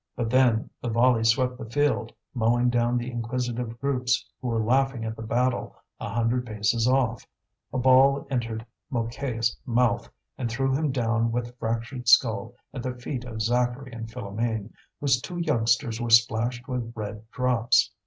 But then the volley swept the field, mowing down the inquisitive groups who were laughing at the battle a hundred paces off. A ball entered Mouquet's mouth and threw him down with fractured skull at the feet of Zacharie and Philoméne, whose two youngsters were splashed with red drops.